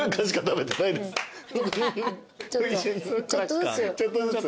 ちょっとずつ。